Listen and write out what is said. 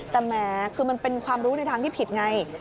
แต่แหมคือมันเป็นความรู้ในทางที่ผิดไง